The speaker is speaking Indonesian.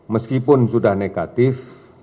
meskipun sudah negatif